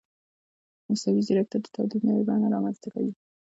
مصنوعي ځیرکتیا د تولید نوې بڼې رامنځته کوي.